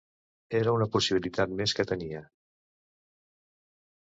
Era una possibilitat més que tenia.